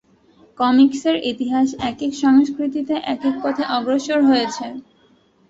কমিকসের ইতিহাস একেক সংস্কৃতিতে একেক পথে অগ্রসর হয়েছে।